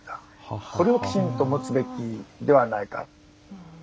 これをきちんと持つべきではないか。